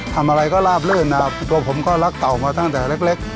ทำอะไรก็ลาบลื่นนะครับตัวผมก็รักเต่ามาตั้งแต่เล็ก